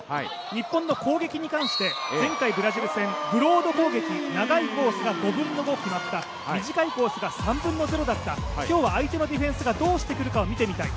日本の攻撃に関して前回ブラジル戦、ブロード攻撃長いコースが５分の５決まった短いコースが３分の０だった今日は相手のディフェンスがどうしてくるかを見てみたい。